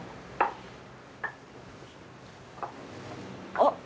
あっ。